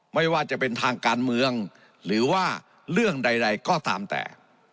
ไม่ว่าจะเป็นทางการเมืองหรือว่าเรื่องใดก็ตามแต่